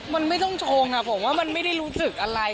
มันไม่ต้องชงผมว่ามันไม่ได้รู้สึกอะไร